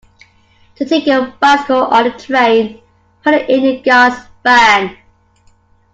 To take your bicycle on the train, put it in the guard’s van